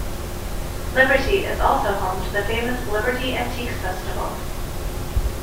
Liberty is also home to the famous the Liberty Antiques Festival.